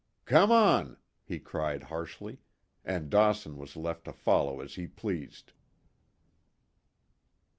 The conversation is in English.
"Come on!" he cried harshly, and Dawson was left to follow as he pleased.